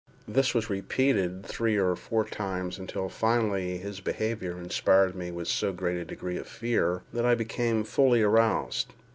This was repeated three or four times, until finally his behaviour inspired me with so great a degree of fear, that I became fully aroused.